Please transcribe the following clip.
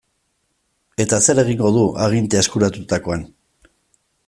Eta zer egingo du agintea eskuratutakoan?